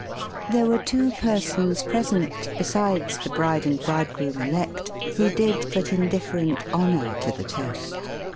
There were two persons present, besides the bride and bridegroom elect, who did but indifferent honour to the toast.